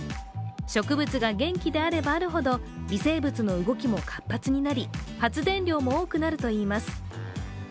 植物が元気であればあるほど微生物の動きも活発になり発電量も多くなるといいます。